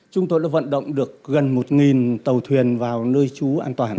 chúng tôi đã vận động được gần một tàu thuyền vào nơi trú an toàn